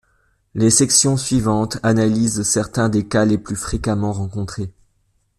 Les sections suivantes analysent certains des cas les plus fréquemment rencontrés.